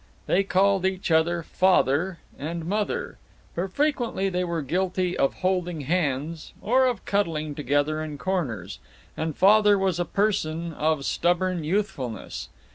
They called each other "Father" and "Mother." But frequently they were guilty of holding hands, or of cuddling together in corners, and Father was a person of stubborn youthfulness.